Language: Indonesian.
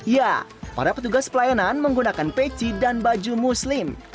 ya para petugas pelayanan menggunakan peci dan baju muslim